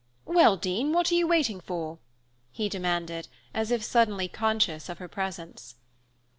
Well, Dean, what are you waiting for?" he demanded, as if suddenly conscious of her presence.